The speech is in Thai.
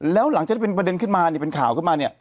แล้วหลังจากที่เป็นประเด็นขึ้นมาเนี่ยเป็นข่าวขึ้นมาเนี่ย